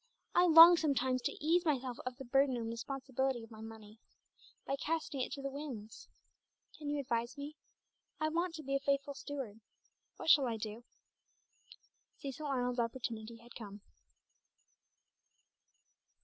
I long sometimes to ease myself of the burden and responsibility of my money, by casting it to the winds. Can you advise me? I want to be a faithful steward. What shall I do?" Cecil Arnold's opportunity had come.